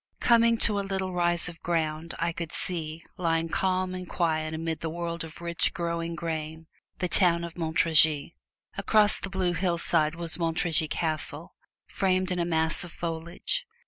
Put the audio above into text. Coming to a little rise of ground, I could see, lying calm and quiet amid the world of rich, growing grain, the town of Montargis. Across on the blue hillside was Montargis Castle, framed in a mass of foliage.